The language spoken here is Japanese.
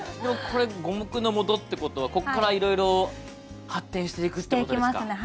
これ五目のもとってことはこっからいろいろ発展していくということですか？